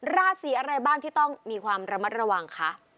ราศีอะไรบ้างที่ต้องมีความระมัดระวังคะ